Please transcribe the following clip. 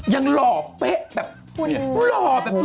ยังหล่อเปะแบบหล่อแบบรู้สิ